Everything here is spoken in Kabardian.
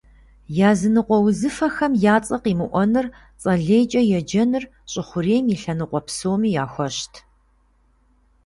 Языныкъуэ узыфэхэм я цӏэ къимыӏуэныр, цӏэ лейкӏэ еджэныр щӏы хъурейм и лъэныкъуэ псоми яхуэщт.